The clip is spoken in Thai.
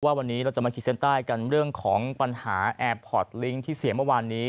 วันนี้เราจะมาขีดเส้นใต้กันเรื่องของปัญหาแอร์พอร์ตลิงค์ที่เสียเมื่อวานนี้